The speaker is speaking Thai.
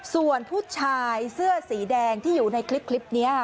ส่วนผู้ชายเสื้อสีแดงที่อยู่ในคลิปนี้